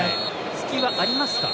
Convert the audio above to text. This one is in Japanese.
隙はありますか。